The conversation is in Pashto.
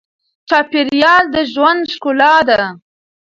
چاپېریال د ژوند ښکلا ده.